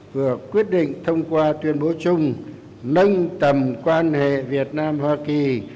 vừa quyết định thông qua tuyên bố chung nâng tầm quan hệ việt nam hoa kỳ